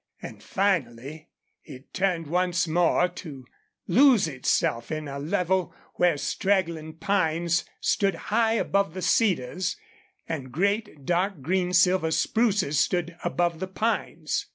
And finally it turned once more, to lose itself in a level where straggling pines stood high above the cedars, and great, dark green silver spruces stood above the pines.